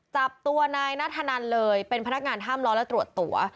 จับตัวนายนัทธนันเลยเป็นพนักงานห้ามล้อและตรวจตั๋ว